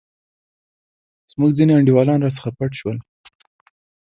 زموږ ځیني انډیوالان راڅخه پټ شول.